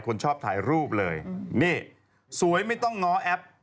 คนชอบถ่ายรูปเลยนี่สวยไม่ต้องง้อแอป